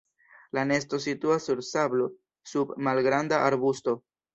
La nesto situas sur sablo sub malgranda arbusto.